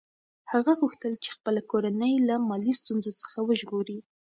هغه غوښتل چې خپله کورنۍ له مالي ستونزو څخه وژغوري.